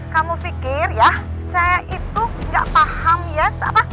kamu fikir ya saya itu gak paham ya